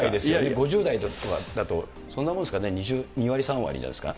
５０代だと、そんなものですね、２割、３割じゃないですか。